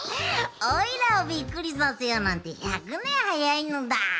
おいらをびっくりさせようなんて１００ねんはやいのだ。